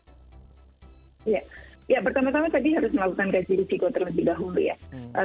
ya pertama tama tadi harus melakukan gaji risiko terlebih dahulu ya